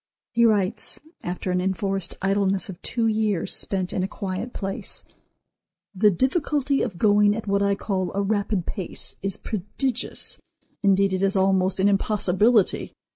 He writes, after an enforced idleness of two years, spent in a quiet place; "The difficulty of going at what I call a rapid pace is prodigious; indeed, it is almost an impossibility.